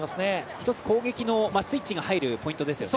一つ攻撃のスイッチが入るポイントですよね。